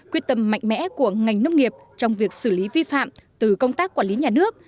quyết tâm mạnh mẽ của ngành nông nghiệp trong việc xử lý vi phạm từ công tác quản lý nhà nước